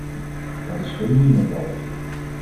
Dat is geen niemendalletje.